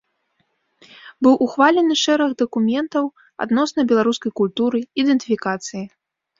Быў ухвалены шэраг дакументаў адносна беларускай культуры, ідэнтыфікацыі.